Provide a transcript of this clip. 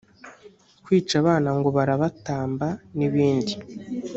kwica abana ngo barabatamba n’ibindi